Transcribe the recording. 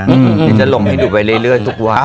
เดี๋ยวจะลงให้ดูไปเรื่อยทุกวัน